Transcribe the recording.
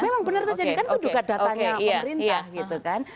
memang benar terjadi kan itu juga datanya pemerintah gitu kan